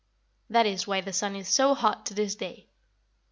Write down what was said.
That is why the sun is so hot to this day.